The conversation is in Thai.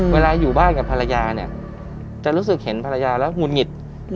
เวลาอยู่บ้านกับภรรยาเนี่ยจะรู้สึกเห็นภรรยาแล้วงุดหงิด